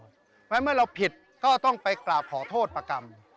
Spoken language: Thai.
เพราะฉะนั้นเมื่อเราผิดก็ต้องไปกราบขอโทษประกรรม